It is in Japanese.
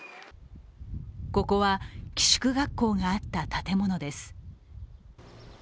ここは、寄宿学校があった建物です。